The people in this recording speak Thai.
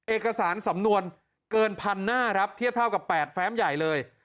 เอกสารสำนวนเกินพันหน้าครับเทียบเท่ากับ๘แฟ้มใหญ่เลย